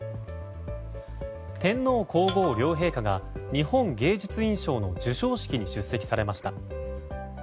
天皇・皇后両陛下が日本芸術院賞の授賞式に出席されました。